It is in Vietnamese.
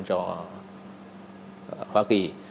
tốt hơn cho hoa kỳ